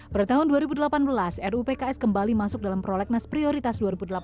pada tahun dua ribu delapan belas ruu pks kembali masuk dalam prolegnas prioritas dua ribu delapan belas